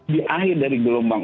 di akhir dari gelombang